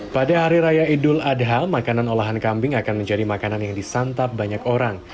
pada hari raya idul adha makanan olahan kambing akan menjadi makanan yang disantap banyak orang